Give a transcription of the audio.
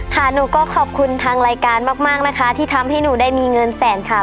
หนูก็ขอบคุณทางรายการมากนะคะที่ทำให้หนูได้มีเงินแสนค่ะ